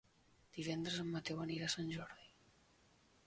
Divendres en Mateu anirà a Sant Jordi.